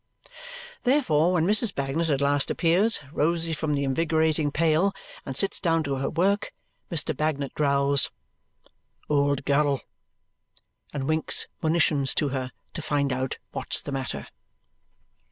Therefore when Mrs. Bagnet at last appears, rosy from the invigorating pail, and sits down to her work, Mr. Bagnet growls, "Old girl!" and winks monitions to her to find out what's the matter.